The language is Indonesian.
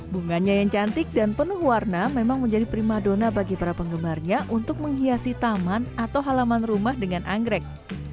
bunganya yang cantik dan penuh warna memang menjadi prima dona bagi para penggemarnya untuk menghiasi taman atau halaman rumah dengan anggrek